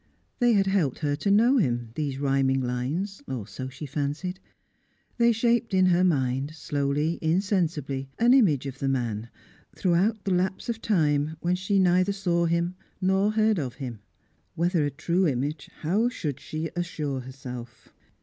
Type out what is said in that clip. They had helped her to know him, these rhyming lines, or so she fancied. They shaped in her mind, slowly, insensibly, an image of the man, throughout the lapse of time when she neither saw him nor heard of him. Whether a true image how should she assure herself?